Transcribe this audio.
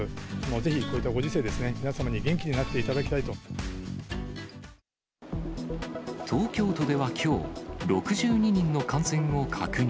ぜひこういったご時世ですね、皆様に元気になっていただきたい東京都ではきょう、６２人の感染を確認。